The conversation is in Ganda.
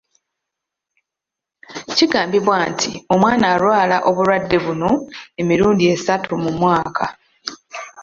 Kigambibwa nti omwana alwala obulwadde buno emirundi esatu mu mwaka